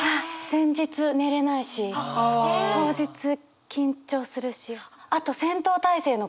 前日寝れないし当日緊張するし。